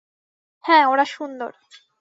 হ্যাঁ, ওরা সুন্দর।